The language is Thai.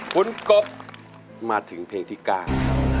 คุณกบมาถึงเพลงที่กล้าง